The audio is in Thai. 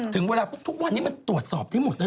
ถึงทุกวันนี้มันตรวจสอบที่หมดนะจริง